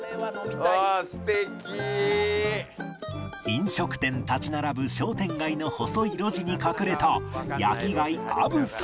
飲食店立ち並ぶ商店街の細い路地に隠れた